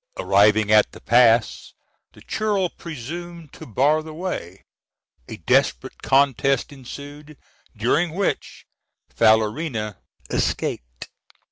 Arriving at the pass, the churl presuming to bar the way, a desperate contest ensued, during which Falerina escaped.